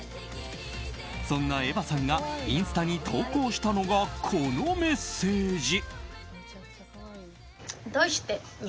そんなエヴァさんがインスタに投稿したのがこのメッセージ。